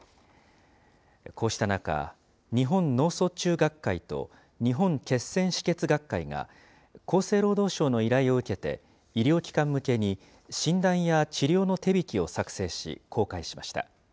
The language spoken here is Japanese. こうした中、日本脳卒中学会と、日本血栓止血学会が、厚生労働省の依頼を受けて、医療機関向けに、診断や治療の手引を作成し、公開しました。